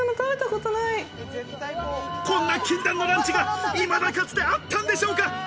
こんな禁断のランチがいまだかつて、あったんでしょうか！